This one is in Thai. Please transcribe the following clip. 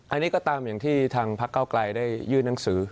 อันนี้ก็ตามอย่างที่ทางพักเก้าไกลได้ยื่นหนังสือ